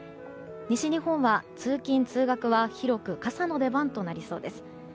西日本は通勤・通学は広く傘の出番となりそうです。